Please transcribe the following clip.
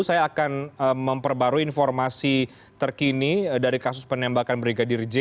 saya akan memperbarui informasi terkini dari kasus penembakan brigadir j